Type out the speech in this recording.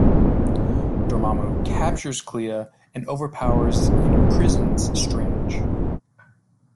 Dormammu captures Clea, and overpowers and imprisons Strange.